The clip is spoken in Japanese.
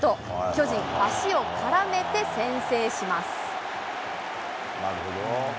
巨人、足を絡めて先制します。